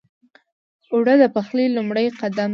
اوړه د پخلي لومړی قدم دی